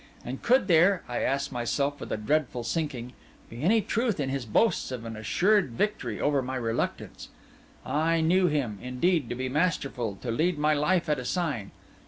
And could there, I asked myself with a dreadful sinking, be any truth in his boasts of an assured victory over my reluctance? I knew him, indeed, to be masterful, to lead my life at a sign.